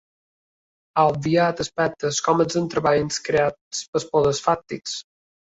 Ha obviat aspectes com els entrebancs creats pels poders fàctics.